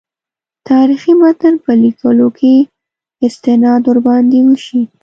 تاریخي متن په لیکلو کې استناد ورباندې وشي.